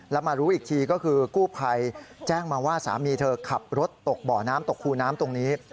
แล้วมารู้อีกทีก็คือกู้ภัยแจ้งมาว่าสามีเธอขับรถตกบ่อน้ำตกคูน้ำตรงนี้